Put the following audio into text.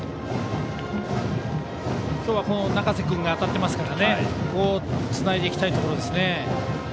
今日は中瀬君が当たってますからつないでいきたいところですね。